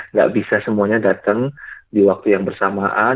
nggak bisa semuanya datang di waktu yang bersamaan